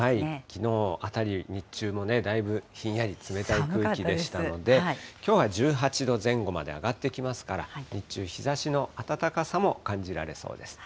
きのうあたり、日中もだいぶひんやり、冷たい空気でしたので、きょうは１８度前後まで上がってきますから、日中、日ざしの暖かさも感じられそうです。